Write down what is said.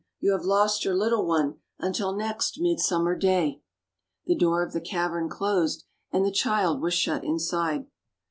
You have lost your little one until next Midsummer Day." The door of the cavern closed, and the child was shut inside.